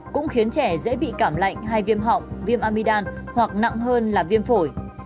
cũng khiến trẻ dễ bị cảm lạnh hay viêm họng viêm amidam hoặc nặng hơn là viêm phổi